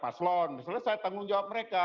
paslon selesai tanggung jawab mereka